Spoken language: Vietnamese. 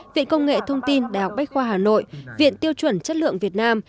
viện công nghệ thông tin đại học bách khoa hà nội viện tiêu chuẩn chất lượng việt nam